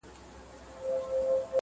هر سړي ته خدای ورکړی خپل کمال دی!.